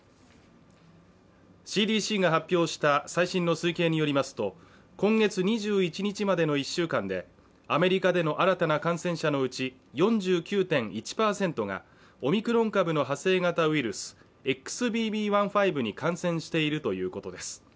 ＣＤＣが発表した最新の推計によりますと今月２１日までの１週間で、アメリカでの新たな感染者のうち４９．１％がオミクロン株の派生型ウイルスＸＢＢ．１．５に感染しているということです。